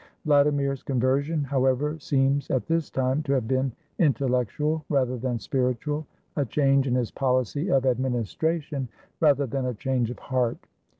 Vladimir's conversion, however, seems, at this time, to have been intellectual rather than spiritual, a change in his policy of administration rather than a change of heart.